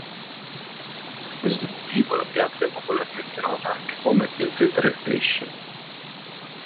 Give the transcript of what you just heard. Per questo motivo la piazza è popolarmente nota anche come "Piazzetta del Pesce".